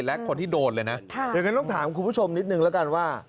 และคนที่โดนเลยนะอย่างนั้นต้องถามคุณผู้ชมนิดนึงแล้วกันว่า